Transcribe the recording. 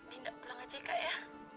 dina pulang aja ya kak ya